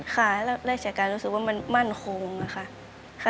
ค่ะราชการรู้สึกว่ามั่นคงค่ะ